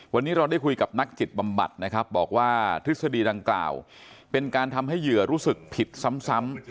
วันนี้เราได้คุยกับนักจิตบำบัดนะครับบอกว่าทฤษฎีดังกล่าวเป็นการทำให้เหยื่อรู้สึกผิดซ้ำ